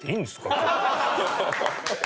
今日。